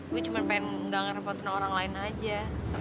gua cuma pengen mengganggar empat tiga orang lain aja